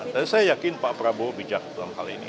tapi saya yakin pak prabowo bijak dalam hal ini